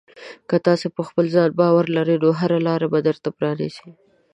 که تاسې په خپل ځان باور ولرئ، نو هره لاره به درته پرانیزي.